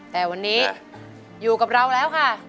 แต่วันนี้อยู่กับเราแล้วค่ะ